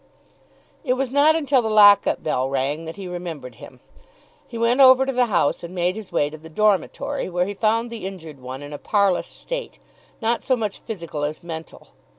It was not until the lock up bell rang that he remembered him. He went over to the house and made his way to the dormitory, where he found the injured one in a parlous state, not so much physical as mental.